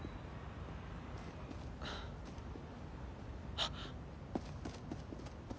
あっ。